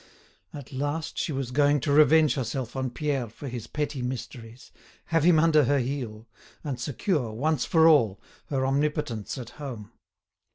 At last she was going to revenge herself on Pierre for his petty mysteries, have him under her heel, and secure, once for all, her omnipotence at home.